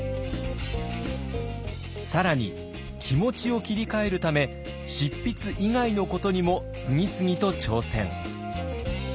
更に気持ちを切り替えるため執筆以外のことにも次々と挑戦。